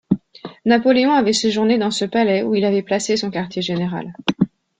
Napoléon avait séjourné dans ce palais où il avait placé son quartier général.